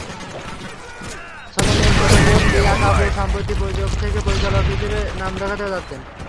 সোনমের ছোট বোন রিয়া কাপুর সম্প্রতি প্রযোজক থেকে পরিচালক হিসেবে নাম লেখাতে যাচ্ছেন।